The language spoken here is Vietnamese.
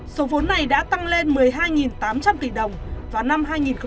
số vốn này đã tăng lên một mươi hai tám trăm linh tỷ đồng vào năm hai nghìn một mươi